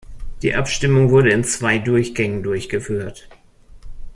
Die Abstimmung wurde in zwei Durchgängen durchgeführt.